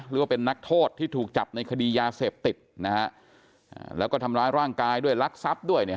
หรือว่าเป็นนักโทษที่ถูกจับในคดียาเสพติดนะฮะแล้วก็ทำร้ายร่างกายด้วยรักทรัพย์ด้วยเนี่ย